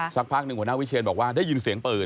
สักพักหนึ่งหัวหน้าวิเชียนบอกว่าได้ยินเสียงปืน